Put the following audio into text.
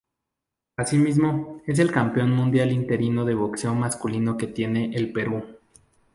Asimismo, es el primer campeón mundial interino de boxeo masculino que tiene el Perú.